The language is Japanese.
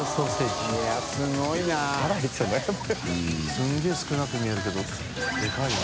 すげぇ少なく見えるけどでかいよな。